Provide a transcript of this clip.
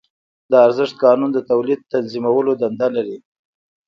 د ارزښت قانون د تولید تنظیمولو دنده لري